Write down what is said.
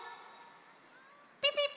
ピピッ！